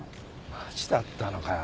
マジだったのかよ